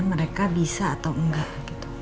mereka bisa atau enggak gitu